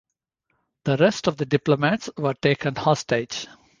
The rest of the diplomats were taken hostage.